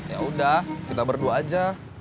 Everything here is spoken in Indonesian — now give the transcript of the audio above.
ya udah kita berdua aja